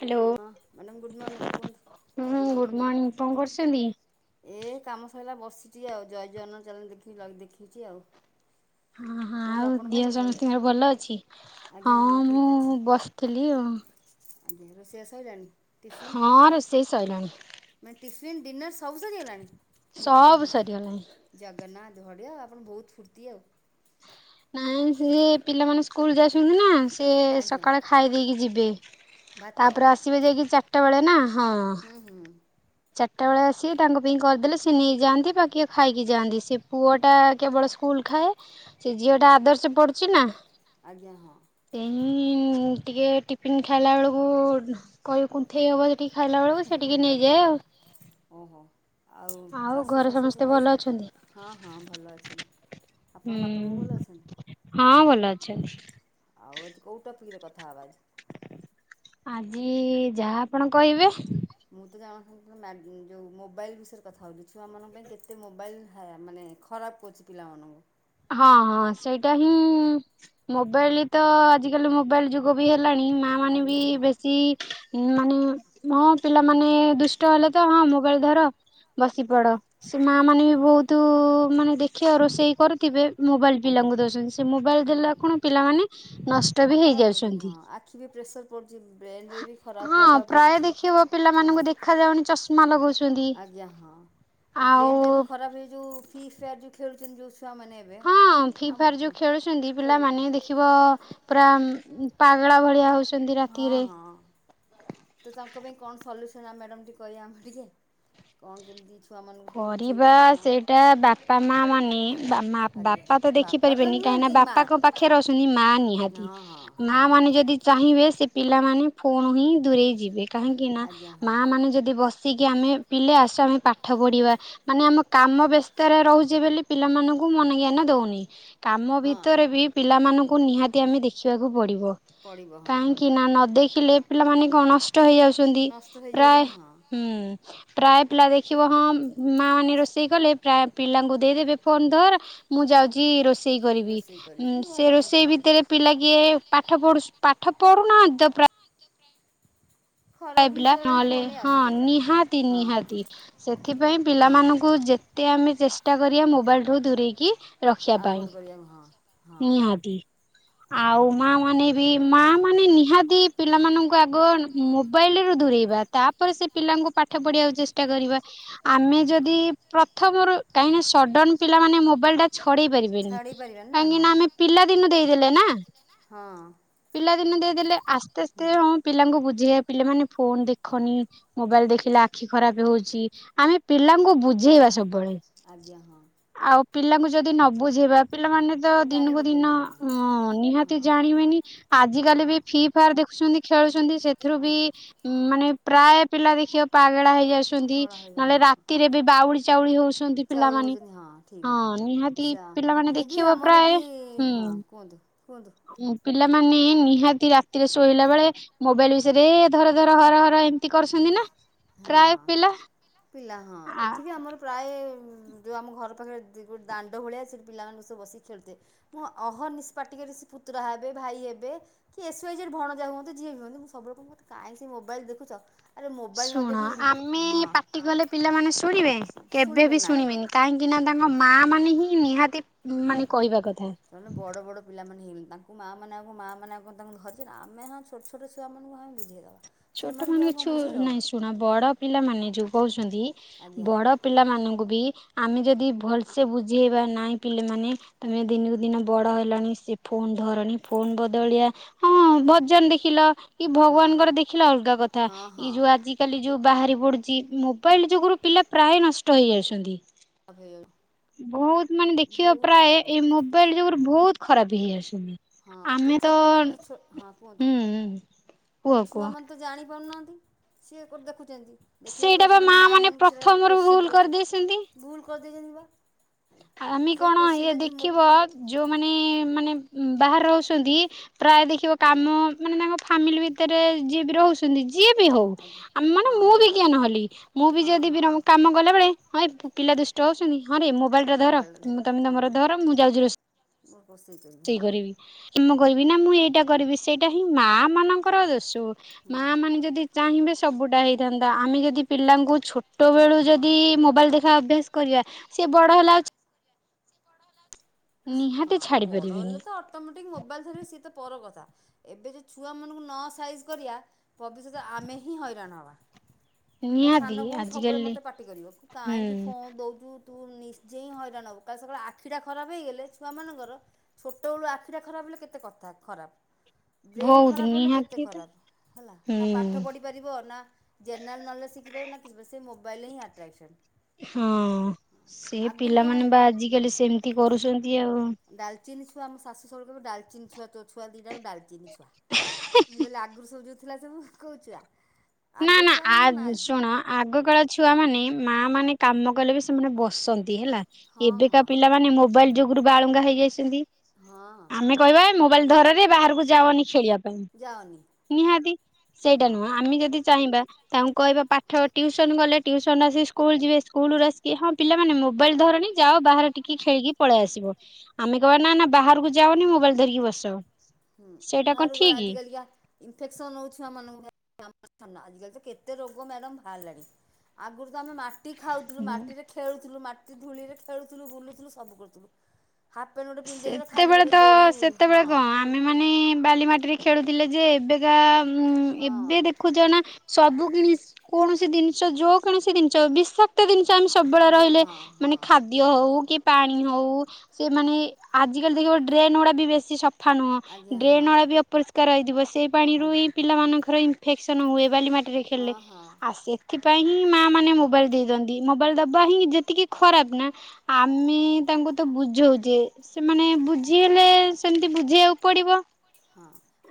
Hello, ହଁ madam good morning କୁହନ୍ତୁ ହୁଁ ଗୁଡ ମର୍ନିଙ୍ଗ, କଣ କରୁଛନ୍ତି? ଏ କାମ ସରିଲା ବସିଚି ଆଉ ଜୟ ଜଗନ୍ନାଥ ଚାନେଲ୍ [unintelligible] ଦେଖିଛି ଆଉ। ହ ହଁ କୁହନ୍ତୁ ଆଉ ଆପଣ କଣ ଦିହ କରୁଛନ୍ତି? ସମସ୍ତଙ୍କର ଭଲ ଅଛି, ଆଜ୍ଞା ହଁ ମୁଁ ଠିକ୍ ବସିଥିଲି ଆଉ। ଓହୋ। ରୋଷେଇ ବାସ ସଇଲାଣି। ହଁ ରୋଷେଇ ସଇଲାଣି। ମନେ ଟିଫିନ, ଡିିନର ସବୁ ସରି ଗଲାଣି, ଇଏ ସବୁ ପ୍ରଭୁ ସରିଗଲାଣି। ଜଗନ୍ନାଥ। ବଢିଆ ଆପଣ ବହୁତ ଫୁର୍ତ୍ତି ଆଉ। ନାଇ ସେଇ ପିଲାମାନେ ସ୍କୁଲ ଯାଉଛନ୍ତି ନା ସେ ସେ ଆଜ୍ଞା ସକାଳେ ଖାଇ ଦେଇକି ଯିବେ। ଭାତ ତାପରେ ଆସିବେ ଯାଇକି ଚାରିଟା ବେଳେ ନା ହଁ। ହୁଁ ହୁଁ ଚାରିଟା ବେଳେ ଆସି ତାଙ୍କ ପାଇଁ କରିଦେଲେ ସେ ନେଇଯାଆନ୍ତି, ବା କିଏ ଖାଇକି ଯାଆନ୍ତି, ସେ ପୁଅଟା କେବଳ ସ୍କୁଲ୍ ଖାଏ। ସେ ଝିଅ ଓହୋ ଟା ଆଦର୍ଶ ପଡୁଛି ନା, ଆଜ୍ଞା ହଁ ସେ ମୁଁ ଟିକେ ଟିଫିନ୍ ଖାଇଲା ବେଳକୁ କହିବ କୁଥେଁଇ ହେବ ଯଦି। ଖାଇଲାବେଳକୁ ସେ ଟିକେ ନେଇଯାଏ ଜଗନ୍ନାଥ ଆଉ। ଓହୋ। ଆଉ ଶାଶୁ ଘରେ ଶଶୁର ସବୁ ସମସ୍ତେ ଭଲ ଖାଇସାରିଲେଇ, ଅଛନ୍ତି? ହଁ ହଁ ଭଲ ଅଛନ୍ତି। ଆପଣଙ୍କ ବାପା ବୋଉ ଭଲ ହୁଁ ଅଛନ୍ତି ହଁ ଭଲ ଅଛନ୍ତି। ଆଉ ଆଜି କୋଉ ଟପିକରେ କଥା ହବା ଆଜି? ଆଜି ଯାହା ଆପଣ କହିବେ। ମୁଁ ତ [unintelligible] ଯୋଉ ମୋବାଇଲ ବିଷୟରେ କଥା ହଉଥିଲ ଛୁଆ ମାନଙ୍କ ପାଇଁ କେତେ ମୋବାଇଲ ହା ମାନେ ଖରାପ କରୁଛି ପିଲାମାନଙ୍କୁ। ହଁ ହଁ ସେଇଟା ହିଁ ମୋବାଇଲ ତ ଆଜିକାଲି ମୋବାଇଲ ଯୁଗ ବି ହେଲାଣି ମା ମାନେ ବି ଆଜ୍ଞା ହଁ ବେଶୀ ମାନେ ମୋ ପିଲାମାନେ ଦୁଷ୍ଟ ହେଲେ ତ ହଁ ମୋବାଇଲ ଧର ବସି ହଁ ପଡ ସେ ମା ମାନେ ବି ଆଜ୍ଞା ବହୁତ ମାନେ ଦେଖିବ ରୋଷେଇ କରୁଥିବେ ମୋବାଇଲ ଆଜ୍ଞା ପିଲାଙ୍କୁ ଦଉଛନ୍ତି, ସେ ମୋବାଇଲ ଦେଲା ହେଉଛନ୍ତି ଖୁନୁ ପିଲାମାନେ ନଷ୍ଟ ବି ଖରାପ ହେଉଛନ୍ତି ହେଇଯାଉଛନ୍ତି। ହଁ ଆଖି ବି ପ୍ରେସର ପଡୁଛି ବ୍ରେନରେ ଭି ଖରାପ ହଁ ପ୍ରଭାବ ପ୍ରାୟ ପଡ଼ୁଚି ଦେଖିବ ହଁ। ପିଲାମାନଙ୍କୁ ଦେଖା ଯାଉନି ଚଷମା ଲଗଉଛନ୍ତି। ଆଜ୍ଞା ହଁ ଆଉ ବ୍ରେନ୍ ଟା ବି ଖରାପ ହେ ଯଉ ଫ୍ରିଫାୟର ଯୋଗୁ। ଖେଳୁଛନ୍ତି ଯୋଉ ଛୁଆ ମାନେ ଏବେ। ହଁ ଫ୍ରି ଆମ ଫାୟାର ଯୋଉ ହଁ ଖେଳୁଛନ୍ତି ଖେଳୁଛନ୍ତି ପିଲାମାନେ ଦେଖିବ ପୁରା ପାଗଳା ଭଳିଆ ହଉଛ ହଁ ରାତିରେ। ହଁ ତ ତାଙ୍କ ପାଇଁ କଣ ସଲ୍ୟୁସନ୍ ଆମ ମ୍ୟାଡ଼ମ୍ ଟିକେ କହିବା ଆମେ ଟିକେ କଣ କେମିତି ଛୁଆମାନଙ୍କୁ ଟିକେ କରିବା ବୁଝେଇବା କ'ଣ ସେଇଟା ବାପା ମା ମାନେ ମା ଆଜ୍ଞା ବାପା ତ ବାପା ତ ଦେଖିପାରିବେନି କାହିଁକିନା ନୁହଁନ୍ତି ମା ବାପାଙ୍କ ପାଖରେ ଅଛନ୍ତି, ମା ନିହାତି ହଁ ହଁ ମା ହଁ ମାନେ ମାନେ ଯଦି ଚାହିଁବେ ସେ ପିଲାମାନେ ଫୋନ୍ ହିଁ ଦୂରେଇ ଯିବେ କାହିଁକି ନା ଆଜ୍ଞା ହଁ ମା ମାନେ ଯଦି ବସିକି ଆମେ ପିଲେ ଆସ ଆମେ ପାଠ ପାଠ ପଢିବା ମାନେ ଆମ କାମ ବ୍ୟସ୍ତରେ ରହୁଛି ବୋଲି ପିଲାମାନଙ୍କୁ ମନ ଜ୍ଞାନ ଦଉନି କାମ ହଁ ଭିତରେ ବି ପିଲାମାନଙ୍କୁ ନିହାତି ଆମେ ଦେଖିବାକୁ ପଡିବ ପଡ଼ିବ ହଁ କାହିଁକି ନା ନ ଦେଖିଲେ ପିଲାମାନେ ଗଣ ନଷ୍ଟ ହେଯାଉଛନ୍ତି ନଷ୍ଟ ପ୍ରାୟ ହେଇଯାଉଛନ୍ତି ହଁ ପ୍ରାୟ ପିଲା ଦେଖ ଦେଖିବ ହଁ ମା ମାନେ ରୋଷେଇ କଲେ ପ୍ରାୟ ପିଲାଙ୍କୁ ଦେଇଦେବେ ଫୋନ ଧର ମୁଁ ଯାଉଛି ରୋଷେଇ ରୋଷେଇ କରିବି ରୋଷେଇ କରିକି ଭଲ ସେ ମନ୍ଦ ରୋଷେଇ ହଁ ଭିତରେ ପିଲା କିଏ ପାଠ ପଢୁ ପାଠ ପଢୁନାହାନ୍ତି ତ ପ୍ରାୟ ଖରାପ ଜିନିଷଗୁରା ବି ନହଲେ ଫୋନରେ ହଁ ଆସୁଛି ଆଜିକାଲି ନିହାତି ହଁ ହଁ ନିହାତି ସେଥିପାଇଁ ହଁ ପିଲାମାନଙ୍କୁ ଯେ ଯେତେ ଆମେ ଚେଷ୍ଟା କରିବା ମୋବାଇଲ ରୁ ଦୂରେଇକି ରଖିବା ପାଇଁ ଆଭୋଏଡ କରିବାକୁ ହଁ। ହଁ ନିହାତି ଆଉ ହଁ ମା ମାନେ ବି ମା ମାନେ ନିହାତି ପିଲାମାନଙ୍କୁ ଆଗ ମୋବାଇଲ ରୁ ଦୂରେଇବା ତାପରେ ସେ ପିଲାଙ୍କୁ ପାଠ ପଢିବାକୁ ଚେଷ୍ଟା କରିବା। ଆମେ ଯଦି ପ୍ରଥମରୁ କାହିଁକ ସଡନ ପିଲାମାନେ ମୋବାଇଲ ଟା ଛଡେଇ ପାରିବେିନି ଛାଡ଼ି ପାରିବାନି କାହିଁକି ହଁ ନା ଆମେ ପିଲା ଦିନୁ ଦେଇଦେଲେ ନା ହଁ ଦିନ ଦେଇଦେଲେ ଆସ୍ତେ ଆସ୍ତେ ହୁଁ ହଁ ପିଲଙ୍କୁ ବୁଝ ଯେ ପିଲାମାନେ ଫୋନ ଦେଖନି ମୋବାଇଲ ଦେଖିଲେ ଆଖି ଖରାପ ହେଉଛି ଆମେ ପିଲାଙ୍କୁ ବୁ ବୁଝେଇିବା ସବୁବେଳେ ଆଜ୍ଞା ହଁ। ଆଉ ପିଲାଙ୍କୁ ଯଦି ନ ବୁଝେଇବା ପିଲାମାନେ ତ ଜାଣିବେ ଦିନକୁ ଦିନ କେମିତି ହଁ ହଁ ନିହାତି ଜାଣିବେନି ଆଜିକାଲି ହଁ ବି ଫି ଫାୟାର ଦେଖୁଛନ୍ତି ଖେଳୁଛନ୍ତି ସେଥିରୁ ବି ଆଜ୍ଞା ମାନେ ପ୍ରାୟ ପିଲା ଦେଖିବା ପାଗେଳା ହେଇଯାଉ। ଖରା ହେବ ନହେଲେ ହଁ ରାତିରେ ବି ବାଉଳି ଚାଉଳି ହଉଛନ୍ତି ଚାଉଳ ପିଲାମାନେ ହେଉଛନ୍ତି ଠିକ୍ ହଁ କଥା। ନିହାତି ସା ପିଲାମାନେ ମୁଁ ବି ଦେଖିବ ଆମର ପ୍ରାୟ ଏଠି ହଁ ହୁଁ କୁହନ୍ତୁ କୁହନ୍ତୁ। ପିଲାମାନେ ନିହାତି ରାତିରେ ଶୋଇଲା ବେଳେ ମୋବାଇଲ ବିଷୟରେ ଧର ଧର ହର ହର ଏମିତି କରୁଛନ୍ତି ନା। ହଁ। ପ୍ରାୟ ପିଲା ପିଲା ହଁ ଆ ଏଠି ବି ଆମର ପ୍ରାୟ ଯୋଉ ଆମ ଘର ପାଖରେ ଗୋଟେ ଦାଣ୍ଡ ଭଳିଆ ସେଠି ପିଲାମାନଙ୍କୁ ସବ ବସି ଖେଳୁଥେ ମୁଁ ଅହରନିସ ପାଟି ସେ ପୁତୁରା ହେବେ ଭାଇ ହେବେ କି ଏସ ୱ ଦେବ ଭଣଜା ହୁଅନ୍ତି ଯିଏ ବି ହୁଅନ୍ତି ମୁଁ ସବୁବେଳେ କାଇଁ ସେ ମୋବାଇଲ ଦେଖୁଛ ଆରେ ମୋବାଇଲ୍ ନ ଶୁଣ ଦେଖି ଇନକ ଆମେ ହଁ ପାଟି କଲେ ପିଲାମାନେ ଶୁଣି ବେ କେବେ ଶୁଣିବେ ବି ନାହିଁ ଶୁଣିବେନି କାହିଁକି ନା ତାଙ୍କ ମା ମାନେ ହିଁ ନିହାତି ମାନେ କହିବା କଥା ହେ ତାଙ୍କୁ ମାଆମାନେ ଆଉକଣ ମାଆମାନେ ଆଉକଣ ତାଙ୍କୁ ଧରିଛନ୍ତି ଆମେ ହଁ ଛୋଟ ଛୋଟ ଛୁଆମାନଙ୍କୁ ଆମେ ବୁଝେଇ ଦେେବା। ଛୋଟ ସେମାନଙ୍କୁ ଆଉ ମାନେ କଣ ଛୁ ନାଇଁ ଶୁଣ ବଡ ପିଲାମାନେ ଯୋଉ ଅଛନ୍ତି ଆଜ୍ଞା ବଡ ପିଲାମାନଙ୍କୁ ବି ଆମେ ଯଦି ଭଲସେ ବୁଝିେଇବା ନାହିଁ ପିଲାମାନେ ତମେ ଦିନକୁ ଦିନ ବଡ ହେଲାଣି ସେ ଫୋନ ଧରନି ଫୋନ ଆଜ୍ଞା ବଦଳିଆ ହଁ ଭଜନ ଦେଖିଲ କି ଭଗବାନଙ୍କର ଦେଖ ଦେଖିଲା ଅଲଗା କଥା ହଁ ହଁ ଏଇ ଯୋଉ ଆଜିିକାଲି ଯେଉ ବାହାରି ପଡୁଛି ମୋବାଇଲ ଯୋଗୁରୁ ପିଲା ପ୍ରାୟ ନଷ୍ଟ ହେଇଯାଉଛନ୍ତି। ବରବାଦ ବହୁତ ମାନେ ଦେଖିବା ପ୍ରାୟ ଏଇ ହେଉଛି ମୋବାଇଲ ଯୁଗରେ ବହୁତ ଖରାପ ହେଇଆସ। ହଁ ତ ଛୋଟମାନେ କୁହନ୍ତୁ ହୁଁ କୁହ କୁହ। ଛୁଆ ମାନେ ତ ଜାଣି ପାରୁନାହାନ୍ତି। ସିଏ କୋଉଠୁ ଦେଖୁଛନ୍ତି। ଦେଖିଲା ସେଇଟା ପରେ ବା ସେମାନେ ମା ମାଆ ମାନେ ମାନଙ୍କୁ ସେଇଟା ପ୍ରଥମରୁ କୋଶ୍ଚିନ୍ ଭୁଲ କରିଦେଇଛନ୍ତି। କରୁଛନ୍ତି [unintelligible] ଆମେ ସେଇ କଣ ଇ କୋଶ୍ଚିନ୍ଟା ଯଦି ମୋ ଦେଖିବ ଯୋଉମାନେ ଆଜ୍ଞା ମାନେ ବାହାରେ ରହୁଛନ୍ତି। ପ୍ରାୟ ଦେଖିବ ଆଜ୍ଞା କାମ ମାନେ ତାଙ୍କ ଫ୍ୟାମିଲୀ ଭିତରେ ଯିଏ ବି ରହୁଛନ୍ତି। ଯିଏ ବି ହଉ ଆଜ୍ଞା ଆମ ମାନେ ହଁ ମୁଁ ହଁ ବି କି୍ଞ ନହେଲି ମୁଁ ବି ହଁ ଯଦି ହଁ ବି କାମ କଲାବେଳେ। ହଁ ପିଲା ଦୁଷ୍ଟ ହେଉଛନ୍ତି ହଁ ରେ ମୋବାଇଲଟା ଧର ମୋବାଇଲରେ ତୁମେ ଧରେଇଲେ ତୁମର ହଁ ଧର ମୁଁ ଯାଉଛି ରୋଷେଇ ମୁଁ ରୋଷେଇ କରି ହଁ। ମୁ କରିବି ନା ମୁଁ ଏଇଟା କରିବି ସେଇଟା ହିଁ ମା ମା ମାନଙ୍କର ଦୋଶୁ ହୁଁ ମା ମାନେ ଯଦି ଚାହିଁବେ ସବୁଟା ହେଇଥାନ୍ତା ଆମେ ଯଦି ପିଲାଙ୍କୁ ଛୋ ଛୋଟ ଠିକ୍ ବେଳୁ ହଁ ଯଦି ମୋବାଇଲ ଦେଖା ଅଭ୍ୟାସ କରିବା ସିଏ ବଡ ହେଲା ଆ ହଁ ଛାଡି ବଡ ପାରିବେନି ହେଲେ ତ ଅଟୋମେଟିକ ମୋବାଇଲ ଧରିବେ ସଏ ତ ପର କଥା ଏବେ ଯେ ଛୁଆ ମାନଙ୍କୁ ନ ସାଇଜ କରିବା ଭବିଷ୍ୟତ ଆମେ ହିଁ ହଇରାଣ ହବା। ମୋ ନିହାତି ସାନ ଭଉଣୀ ସବୁବେଳେ ଆଜିକାଲି ମତେ ପାଟି କରିବ ହୁଁ କାହିଁକି ଫୋନ୍ ଦଉଛୁ। ତୁ ନିଜେ ହଇରାଣ ହବୁ କାଲି ସକାଳେ ଆଖି ଟା ହେଇଗଲେ ଛୁଆ ମାନଙ୍କର ଛୋଟ ବେଳୁ ଆଖିଟା ଖରାପ ହେଲେ କେତେ କଥା ଖରାପ। [inaudible] ବ୍ରେନ ଖରାପ ହେଲେ କେତେ ନିହାତି ତ ଖରାପ ହେଲା ନା ପାଠ ହୁଁ ପଢ଼ିପାରିବ ନା ଜେନେରାଲ୍ ନଲେଜ ଶିଖିପାରି ସେଇ ମୋବାଇଲରେ ହିଁ ଆଟ୍ରାକସନ୍। ହଁ ସେ କଣ ପିଲାମାନେ ବା ଆଜିକାଲି ସେମିତି କରୁଛନ୍ତି ଆଉ। ଚିନି ଛୁଆ ଆମ ଶାଶୁ ଡଲଚିନ ଛଆ ତୋ ଛୁଆ ଦିଟାକ ଡାଲଚିନ ଛୁଆ ମୁଁ କହିଲ ଆଗରୁ ସବୁ ଯୋଉ ଥିଲା ସବୁ କୋଉ ଛୁଆ। ନା ଆଗ ନା ଆ ଛୁଆମାନଙ୍କୁ ନାହିଁ ଶୁଣ ଆଗକାଳ ଛୁଆ ମାନେ ମାଆ ମାନେ କାମ କଲେ ବି ସେମାନେ ବସନ୍ତି ହେଲା ହଁ ଏବେକା ହଁ ପିଲାମାନୋନ ମୋବାଇଲ ଯୁଗୁରୁ ବାଳୁଙ୍ଗା ହେଇଯାଇଛନ୍ତି। ହଁ ଆମେ କହିବା ମୋବାଇଲ ଧରରେ ବାହାରକୁ ଯାଅନି ଖେଳିବାକୁ। ଯାଅନି ନିହାତି ସେଇଟା ହଁ ନୁହଁ ଆମେ ଯଦି ତାଙ୍କୁ କହିବା ପାଠ ଟିଉସନ ଗଲେ ଟିଉସନ ଆସି ସ୍କୁଲ ଯିବେ ସ୍କୁଲୁ ଆସିକି ହଁ ପିଲାମାନେ ମୋ ମୋବାଇଲ ଧରନି ଯାଅ ବାହାରେ ଟିକେ ଖେଳିକି ପଳେଇ ଆସିବ। ଆମେ କହିବା ନା ବାହାରକୁ ଯାଅନି ମୋବାଇଲ ଧରିକି ବସ। ହଁ ସେଇଟା କଣ ବାହାରକୁ ଗଲେ ଠିକ? ଆଜିିକାଲିକା ଇନଫେକ୍ସନ ହଉଛି ଛୁଆ ମାନଙ୍କର। ଆଜି କାଲି ତ କେତେ ରୋଗ ମ୍ୟାଡାମ୍ ବାହାରିଲାଣି। ଆଗରୁ ଆମେ ମାଟି ଖାଉଥିଲୁ ମାଟିରେ ଖେଳୁଥିଲୁ ମାଟି ଧୂଳିରେ ଖେଳୁଥିଲୁ ବୁଲୁଥିଲୁ ସବୁ କରୁଥିଲୁ। ହାପ୍ ପ୍ୟାଣ୍ଟ ଗୋଟେ ପିନ୍ଧି ଦେଇକିଁ ଖାଲି ଗୋଟେ ଦୋଉଡ଼ିବୁ ବୁଲିବୁ। ହଁ ଆମେମାନେ ବାଲି ମାଟିରେ ଖେଳୁଥିଲେ ଯେ ଏବେକା ଉଁ ହଁ ଏବେ ଦେଖୁଛ ନା ସବୁ କିଣି କୌଣସି ଜିନିଷ ଯଉ କୌଣସି ଜିନିଷ ବିଷାକ୍ତ ଜିନିଷ ଟେନସନ୍ ସବୁବେଳେ ଆଜ୍ଞା ରହିଲେ ହଁ ହଁ ମାନେ ଖାଦ୍ୟ ହଉ କି ପାଣି ହଉ ସେ ମାନେ ଆଜି କାଲି ଦେଖିବ ଡ୍ରେନ୍ ଗୁଡା ବି ବେଶୀ ସ ସଫା ନୁହେଁ ଆଜ୍ଞା ହଁ ଡ୍ରେନ୍ ଗୁରା ବି ଅପରିଷ୍କାର ହେଇଯିବ ସେଇ ପାଣିରୁ ଆଜ୍ଞା ହିଁ ପିଲାମାନଙ୍କର ଇଁ ଇଫେସନ ହୁଏ ବାଲି ମାଟିରେ ଖେଳି ହଁ ଲେ ହଁ ଆଉ ସେଥିପାଇ ହିଁ ମା ମାନେ ମୋବାଇଲ ଦେଇ ଦିଅନ୍ତି। ମୋବାଇଲ ଦବା ହିଁ ଯେତିକି ଖରାପ ନା ଆମେ ତାଙ୍କୁ ତ ବୁଝଉଛେ ସେମାନେ ବୁଝି ହେଲେ ସେମିତି ବୁଝେଇବାକୁ ପଡିବ। ହଁ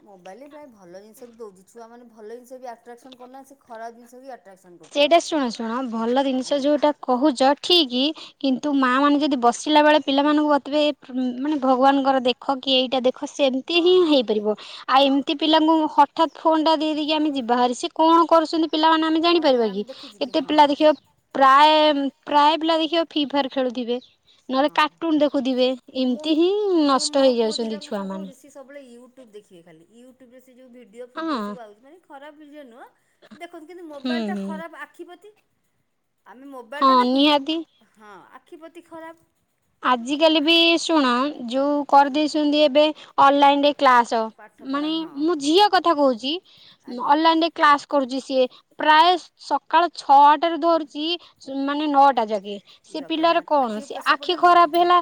ମୋବାଇଲରେ ପ୍ରାୟ ଭଲ ଜିନିଷ ବି ଦେଉଛି ଛୁଆମାନେ ଭଲ ଜିଷ ବି ଆଟ୍ରାକ୍ସନ୍ କରୁ ନାହାଁ ସେ ଖରାପ ଜିନିଷ ବି ଆ ସେଇଟା ଶୁଣ ଶୁଣ ଭଲ ଜିନିଷ ଆଜ୍ଞା ଯୋଉଟା କହୁଛ ଠିକ କିନ୍ତୁ ମାଆ ମାନେ ଯଦି ବସିଲା ବେଳେ ପିଲାମାନଙ୍କୁ କତିବେ ମାନେ ଭଗବାନଙ୍କର ଦେଖ କି ଏଇଟା ଦେଖ ସେମିତି ହଁ ହିଁ ହଁ ହେଇପାରିବ। ଆଉ ଏମିତି ପିଲାଙ୍କୁ ହଠାତ୍ ଫୋନ ଟା ଦେଇକି ଆମେ ଯିବା ହାରି ସ କଣ କରୁଛନ୍ତି ପିଲାମାନେ ଆମେ କି କଣ ନାହିଁ ଆମେ ଦେଖୁଛୁ କି ଏତେ ହଁ ପିଲା ଦେଖିବ ପ୍ରାୟ ପ୍ରାୟ ପିଲା ଦେଖିବ ଫି ଫାର ଖେଳୁଥିବେ। ନହେଲେ ହଁ କାର୍ଟୁନ ଦେଖୁଥିବେ ମୋ ଏମିତି ହିଁ ମୁଁ ନଷ୍ଟ ହେଇଯାଉଛନ୍ତି। ଛୁଆ ମାନେ। ଦେଖେବେ ଖାଲି ୟୁଟ୍ୟୁବ ରେ ସେ ଯୋଉ ଭିଡିଓ ହଁ। ଫିଡିଓ ସବୁ ଆଉଛି ମାନେ ଖରାପ ଭିଡିଓ ନୁହଁ। ଦେଖନ୍ତୁ କିନ୍ତୁ ହୁଁ ମୋବାଇଲ ଟା ହୁଁ ଖରାପ ଆଖିିପ୍ରତି। ଆମେ ମୋବାଇଲଟା ହଁ ଦେଖୁଛୁ। ନିହାତି ହଁ ଆଖି ପ୍ରତି ଖରାପ। ଆଜିକାଲି ବି ଶୁଣ ଯୋଉ ଆଜ୍ଞା କରିଦେଇଛନ୍ତି ଏବେ ଅନଲାଇନରେ କ୍ଲାସ ପାଠପଢ଼ା ମାନେ ହଁ ମୁଁ ଝିଅ କଥା କହୁଛି ଆଜ୍ଞା ଅନଲାଇନ ରେ କ୍ଲାସ କରୁଛି ସିଏ। ପ୍ରାୟ ସକାଳ ଛଅଟାରେ ଧରୁଛି ମାନେ ନଅଟା ଯା କେ ସେ ପିଲାର ଜଗନ୍ନାଥ ଆଖି କଣ ଉପରେ ସେ ପ୍ରେସର୍ ଆଖି ପଡ଼ିବ ନା ନାହିଁ ଖରାପ ହଁ ହେଲା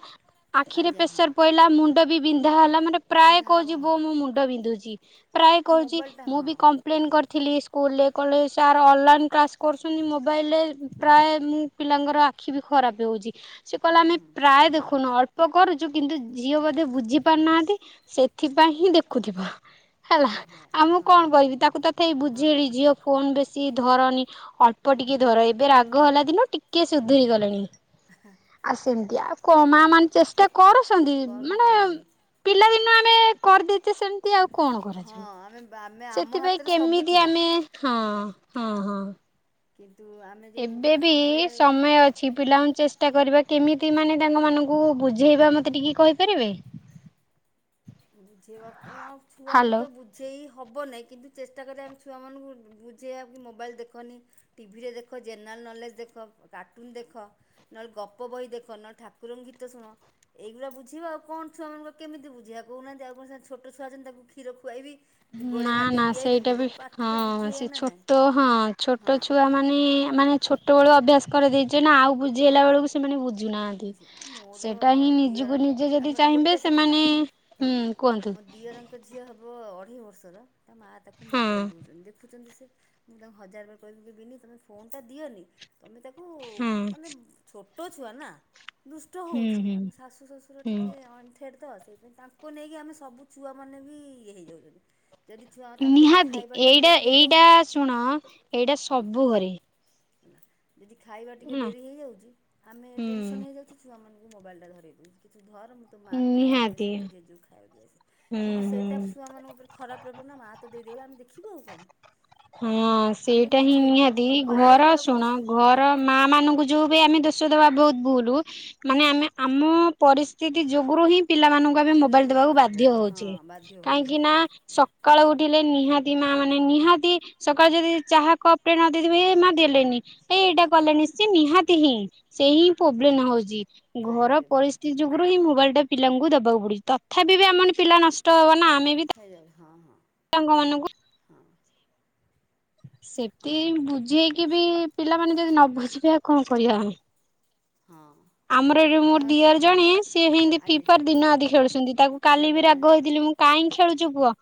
ଆଖିରେ ଆଜ୍ଞା ହଁ ପ୍ରେସର ପଇଲା ମୁଣ୍ଡ ବି ଯାହାହେଲା ମାନେ ପ୍ରାୟ ବିନ୍ଧା ହେବ କହୁଛି ହଁ ବୋଉ ମୋ ମୁଣ୍ଡ ବିନ୍ଧୁଛି। ପ୍ରାୟ ଆଉ କହୁଛି। ମୋବାଇଲଟା ମୁଁ ହଁ ବି କମ୍ପ୍ଲେନ କରିଥିଲି ସ୍କୁଲରେ। କଲେ ସାର୍ ଅନଲାଇନ୍ କ୍ଲାସ୍ କରୁଛନ୍ତି ମୋବାଇଲରେ। ପ୍ରାୟ ମୁଁ ପିଲାଙ୍କର ଆଖି ବି ଖରାପ ହେଉଛି। ହୁଁ କଲାମେ ହୁଁ ପ୍ରାୟ ଦେଖୁନ ଅ କରୁଛୁ କିନ୍ତୁ ଝିଅ ବୋଧେ ବୁଝି ପାରୁନାହାନ୍ତି ସେଥିପାଇଁ ହିଁ ଦେଖୁଥିବ। ହେଲା ଓହୋ ଆଉ ମୁଁ ହଁ କଣ କରିବି ତାକୁ ତ ଏଇ ହଁ ବୁଝେଇ ଝିଅ ଫୋନ ବେଶୀ ଧରନି। ଅଳ୍ପ ହୁଁ ହୁଁ ଟିକେ ଧର। ଏବେ ରାଗ ହେଲା ଦିନୁ ଟିକେ ସୁଧୁରି ଗଲାଣି। ହଁ। ଆଉ ସେମିତି ଆଉ। କ ମା ମାନେ ଚେଷ୍ଟା କରୁଛନ୍ତି ମାନେ କରୁଛନ୍ତି ପିଲା ବି - ଆମେ କରିଦେଇଛେ ସେମତି ଆଉ କଣ ହଁ କରାଯିବ। ଆମେ ଆମେ ଆମ ସେଥିପାଇଁ ହାତରେ ସବୁ କେମିତି ଥିଲା ଆମେ ହଁ ହଁ ହଁ। କିନ୍ତୁ ଆମେ ଯେଉଁ ଏବେ ବି କଣ କହିଲେ ସମୟ ଅଛି ପିଲାଙ୍କୁ ଚେଷ୍ଟା କରିବା କେମିତି ମାନେ ତାଙ୍କ ମାନଙ୍କୁ କୁ ବୁଝେଇବା ମୋତେ ଟିକେ କହିପାରିବେ। ବୁଝେଇବାକୁ ଆ ଛୁଆଙ୍କୁ ହ୍ୟାଲୋ। ତ ବୁଝେଇ ହବ ନାହିଁ କିନ୍ତୁ ଚେଷ୍ଟା କରିବା ଆମେ ଛୁଆମାନଙ୍କୁ ବୁଝେଇବା କି ମୋବାଇଲ୍ ଦେଖନି। ଟିଭିରେ ଦେଖ ଚେନାେଲ ଜେନେରାଲ ନଲେଜ ଦେଖ। କାର୍ଟୁନ ଦେଖ। ନହେଲେ ଗପ ବହି ଦେଖ। ନହେଲେ ଠାକୁରଙ୍କ ଗୀତ ଶୁଣ। ଏଇଗୁଡା ବୁଝିବ ଆଉ କଣ ଛୁଆାନଙ୍କ କେମିତି ବୁଝିବା କହୁନାହାନ୍ତି। ଆଉ କଣ ଛୋଟ ଛୁଆ ଅଛନ୍ତି ତାଙ୍କୁ କ୍ଷୀର ଖୁଆଇବି। ନା ଗୋଳେଇ ନା ମାଟେଇ ପିଆଇ ସେଇଟା ଦେବି ବି ହଁ। ପାଟିରେ ତ ବୁଝେଇବା ସେ ନା ନାହିଁ ଛୋଟ। ହଁ ହଁ ଛୋଟ ଛୁଆ ମାନେ ମାନେ ଛୋଟବେଳୁ ଅଭ୍ୟାସ କରିଦେଇ ସେ ନା ଆଉ ହଁ ବୁଝେଇଲା ବା ବେଳକୁ ସେମାନେ ବୁଝୁନାହାନ୍ତି। ବୁଝି ମୋର ସେଟା ହିଁ ନିଜକୁ ନିଜେ ଯଦି ଚାହିଁବେ ସେ ଓକେ ମ୍ୟାଡ଼ାମ ହଁ। ମୋ ଦିଅରଙ୍କ ଝିଅ ହବ ଅଢେଇ ବର୍ଷର ତା ମାଆ ତାକୁ ହଁ ମୋବାଇଲ ଦୋଉଚନ୍ତି ଦେଖୁଚନ୍ତି ସିଏ ମୁଁ ତାଙ୍କୁ ହଜାର ର କହିବିି ବିନି ତମେ ଫୋନଟା ଦିଅନି। ତମେ ତାକୁ ହଁ ମାନେ ଛୋଟ ଛୁଆ ନା ଦୁଷ୍ଟ ହୋଉଚି। ହୁଁ ଆମେ ଶାଶୁ ଶ୍ୱଶୁର ହୁଁ। ଟିକେ ଅଂଥେଡ ତ ସେଇଥି ପାଇଁ ତାଙ୍କୁ ନେଇକି ଆମେ ସବୁ ଛୁଆ ମାନେ ବି ଇଏ ହେଇଯାଉଚନ୍ତି। ନିହାତି ଏଇଟା ଏଇଟା ହେଇଯାଉଛି ଶୁଣ ଏଇଟା ଆଜ୍ଞା ସବୁ ଘରେ। ଯଦି ଖାଇବା ଟିକେ ହେଲା। ଡେରି ହେଇଯାଉଚି। ଆମେ ହୁଁ ଟେନସନ୍ ହେଇଯାଉଚୁ ଛୁଆମାନେ ମୋବାଇଲ ଟା ଧରେଉ ଦୋଉଚି କିଛି ନା ଧର ମୁଁ ତୋ ମା କୁ ଖାଇବା ଦେଇ ନିହାତି ଆସେ କି ଜେଜ କୁ ଖାଇବା କୁ ଦେଇ ଆସେ ହୁଁ କିନ୍ତୁ ହୁଁ। ସେଇଟା ଛୁଆ ମାନଙ୍କ ଉପରେ ଖରାପ ପ୍ରଭାବ ନା ମା ମା ତ ଦେଇ ଦେଇଗଲା ଆମେ ଦେଖିବୁ ଆଉ କଣ। ହଁ ହେଲା ଆମେ ସେଇଟା ହିଁ ବୁଝେଇବୁ ନିହାତି ଆଉ ଘର ବାଡ଼େଇଲେ ଆଉ କଣ ଶୁଣ ଆଜ୍ଞା ଘର ମା ମାନଙ୍କୁ ଯୋଉ ବି ଆମେ ଦୋଷ ଦବା ବୋହୁତ ଭୁଲୁ ମାନେ ହଁ ଆମେ ଆମ ପରିସ୍ଥିତି ଯୋଗୁରୁ ହିଁ ପିଲାମାନଙ୍କୁ ଆମେ ମୋବାଇଲ୍ ପିଲାମାନେ ଦେବାକୁ ଖରାପ ବାଧ୍ୟ ହେଉଛି ହଁ ହୋଉଚେ ବାଧ୍ୟ ହେଉଛୁ କାହିଁକି ଆମେ ନା ସକାଳୁ ଉଠିଲେ ନିହାତି ସେଇ ମା ମାନେ ନିହାତି ସକାଳୁ ଯଦି ଚାହା କପଟେ ନ ଦେଇଥିବୁ ଏ ମା ଦେଲେନି। ଏ ଏଇଟା ହେଲା କଲାଣି ସେ ନିହାତି ହିଁ ସେ ହିଁ ପ୍ରୋବ୍ଲେମ ହଁ ହୋଉଚି ଟାଇମ୍ ଘର ଟେବୁଲ୍ ପରିସ୍ଥିତି ଯୋଗୁରୁ ହିଁ ମୋବାଇଲ୍ ଟା ପିଲାଙ୍କୁ ଦବାକୁ ପଡୁଚି ତ ତଥାପି ବି ଆମେ ମାନେ ପିଲା ନଷ୍ଟ ହବ ନା ଆମେ ବି ତା ହେଇଯାଉ ହଁ ହଁ ତାଙ୍କ ମାନଙ୍କୁ ହଁ ସେଥି ଆଉ [unintelligible] ବୁଝେଇକି ବି ସେ ପିଲାମାନେ ଯଦି ନ ବୁଝି ସେଇଆ କଣ କରିବା ଆମେ। ହଁ ଆମର ଏଠି ମୋର ଯାହା ଦିଅର ହଁ ଜଣେ ସିଏ ବି ଏମିତି ଆଜ୍ଞା ଫ୍ରୀଫାୟାର ଦିନ ରାତି ଖେଳୁଚନ୍ତି ତାକୁ କାଲି ବି ଜଗନ୍ନାଥ ରାଗ ହେଇଥିଲି। ତୁଂ କାଇଁ ଖେଲୁଚ ପୁଅ।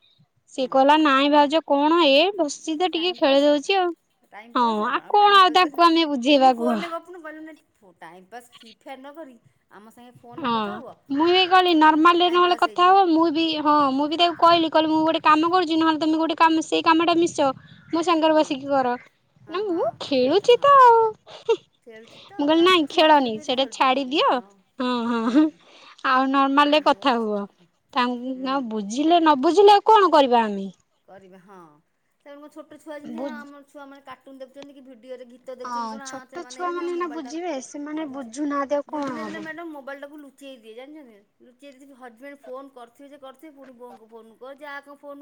ସିଏ ହଁ କହିଲା ନାଇଁ ଭାଉଜ କଣ ଏ ବସିଚି ତ ଟାଇମ୍ ଟିକେ ଖେଳି ପାସ୍ ଦୋଉଚି ଆଉ। ଟାଇମ୍ ହଁ ପାସ ଆଉ କଣ ଆଉ ଟାଇମ ପାସ୍ ତାଙ୍କୁ ଆମେ କରିବୁ ବୁଝେଇବା ଏମିତି କୁହ ଫୋନରେ ଗପୁନୁ ଭଲ ନା ଫୋ ଟାଇମ୍ ପାସ୍ ଫ୍ରୀଫାୟାର ନ କରିକି ଆମ ସାଙ୍ଗେ ଫୋନରେ ହଁ କଥା ହୁଅ ମୁଁ ହେଇ ଗଲି ହେଲା ନର୍ମାଲି ଟାଇମ୍ ନହେଲେ ପାସ୍ କଥା ହେଇଯିବ ହବ। ମୁଁ ବି ହଁ ମୁଁ ବି ତା କହିଲି କହିଲି ମୁଁ ଗୋଟେ କାମ କରୁଛି ନହେଲେ ତମେ ଗୋଟେ କାମ ସେଇ କାମଟା ମିଶ। ମୋ ସାଙ୍ଗରେ ହଁ ବସିକି କର। ହଁ ନା ମୁଁ ଖେଳୁଚିତ ଆଉ ହୁଁ। ଖେଳୁଛି ତ ଆମ ଛୁଆ ମାନେ ବି ଏଠି ଖେଳୁଛନ୍ତି ଆମ ଛାଡ଼ିଦିଅ ହଁ ହୁଁ। ହଁ ଆଉ ନର୍ମାଲରେ ମୋ କଥା ହୁଅ। ଥା ହୁଁ ଆଉ ବୁଝିଲେ ନ ବୁଝିଲେ ଆଉ କଣ କରିବା ଆମେ। ହଁ। ତେଣୁ ମୋ ଛୋଟ ଛୁଆ ଯେିମିତି ବୁଝ ଆମର ଛୁଆମାନେ କାଟୁନ୍ ଦେୁଖୁଛନ୍ତି କି ଟିଭି ହଁ ଛୋଟ ଛୁଆ ମାନେ ନା ମୋବାଇଲଟା ବୁଝିବେ ହଁ ସେମାନେ ବୁଝି ବୁଝୁନାହା ମୁଁ ଦିନେ ଦିନେ ମ୍ୟାାଡମ୍ ମୋବୀଇଲ୍ ଟାକୁୁ ନ ଚେଇ ଦିଏ ଜାଣିଚନ୍ତି ନା ହଜବେଣ୍ଡ ଫୋନ୍ କରିଥିବେ ଯେ କରିଥିବେ ପୁଣି ବୋଉଙ୍କୁ ଫୋନ୍ କର ଯା କୁ ଫୋନ୍ କୁ